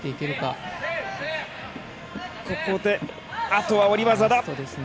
あとは下り技。